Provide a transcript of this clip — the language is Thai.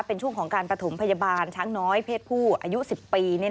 เป็นช่วงของการประถมพยาบาลช้างน้อยเพศผู้อายุ๑๐ปี